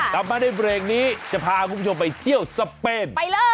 กลับมาด้วยเบรคนี้จะพาคุณผู้ชมไปเที่ยวสเปน